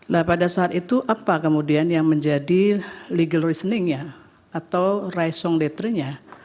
nah pada saat itu apa kemudian yang menjadi legal reasoning nya atau raison d etre nya